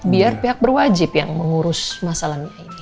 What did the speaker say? biar pihak berwajib yang mengurus masalah nia ini